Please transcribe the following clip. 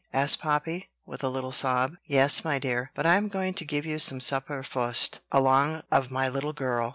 asked Poppy, with a little sob. "Yes, my dear; but I am going to give you some supper fust, along of my little girl.